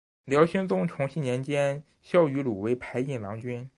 辽兴宗重熙年间萧迂鲁为牌印郎君。